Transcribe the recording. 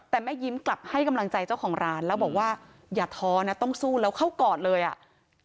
แต่แม่ยิ้มกลับให้กำลังใจเจ้าของร้านแล้วบอกว่าอย่าท้อนะต้องสู้แล้วเข้ากอดเลยอ่ะ